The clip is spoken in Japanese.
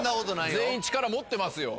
全員力持ってますよ！